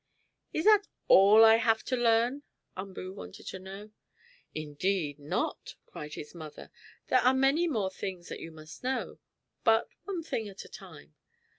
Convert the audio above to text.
"Is this all I have to learn?" Umboo wanted to know. "Indeed not!" cried his mother. "There are many more things that you must know. But one thing at a time.